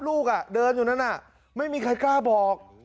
ลูกเดินอยู่นั่นไม่มีใครกล้าบอก